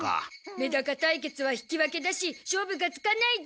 メダカ対決は引き分けだし勝負がつかないゾ。